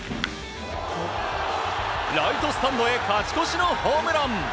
ライトスタンドへ勝ち越しのホームラン。